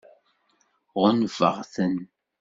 Ɣunfaɣ-ten.